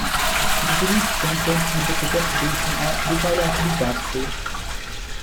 The release coincides with the set up rotation or recoil of the torso.